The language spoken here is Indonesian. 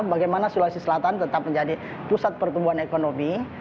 bagaimana sulawesi selatan tetap menjadi pusat pertumbuhan ekonomi